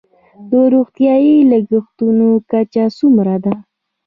د روغتیايي لګښتونو کچه څومره ده؟